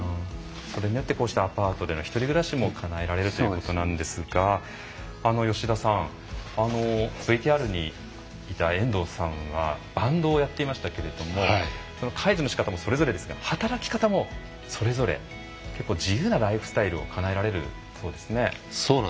それによってアパートでの１人暮らしもかなえられるということなんですが吉田さん、ＶＴＲにいた遠藤さんはバンドをやっていましたけれども介助のしかたも、さまざまですが働き方もそれぞれ結構自由なライフスタイルをかなえられるそうですね。